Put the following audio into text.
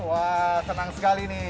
wah senang sekali nih